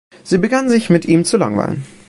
Sie begann sich mit ihm zu langweilen.